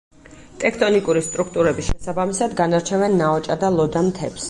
ტექტონიკური სტრუქტურების შესაბამისად განარჩევენ ნაოჭა და ლოდა მთებს.